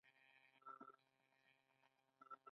نیت خیر ته اړتیا لري